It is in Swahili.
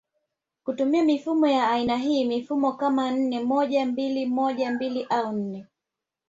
kutumia mifumo ya aina hii mifumo kama nne moja mbili moja mbili au nne